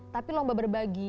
tapi lomba berbagi